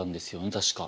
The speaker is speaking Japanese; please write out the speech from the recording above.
確か。